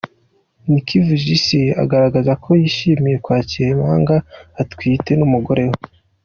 Nick Vujicic agaragaza ko yishimiye kwakira impanga atwitiwe n'umugore we.